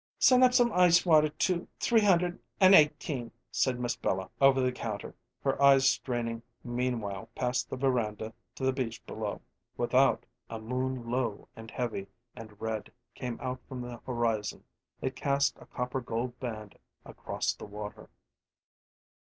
"Send up some ice water to three hundred and eighteen," said Miss Bella over the counter, her eyes straining meanwhile past the veranda to the beach below. Without, a moon low and heavy and red came out from the horizon; it cast a copper gold band across the water.